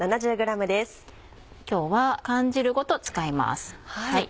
今日は缶汁ごと使います。